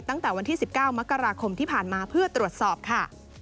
ตั้งแต่วันที่๑๙มกราคมที่ผ่านมาเพื่อตรวจสอบค่ะ